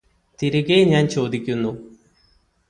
തിരികെ ഞാൻ ചോദിക്കുന്നു.